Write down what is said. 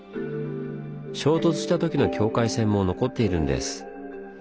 衝突したときの境界線も残っているんです。